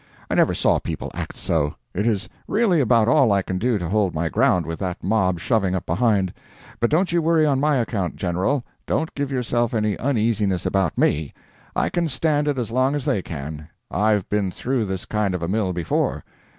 I never saw people act so. It is really about all I can do to hold my ground with that mob shoving up behind. But don't you worry on my account, General—don't give yourself any uneasiness about me—I can stand it as long as they can. I've been through this kind of a mill before.